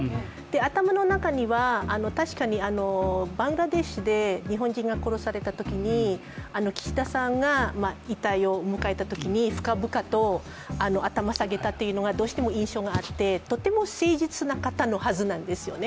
頭の中には、確かにバングラデシュで日本人が殺されたときに、岸田さんが遺体を迎えたときに深々と頭を下げたというのがどうしても印象があって、とても誠実な方なはずなんですよね。